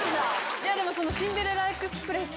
でも、シンデレラ・エクスプレス。